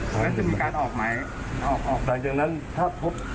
หลังจากนั้นถ้าพบ